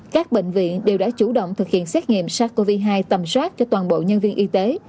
các bệnh viện đều đã chủ động thực hiện xét nghiệm sars cov hai tầm soát cho toàn bộ nhân viên y tế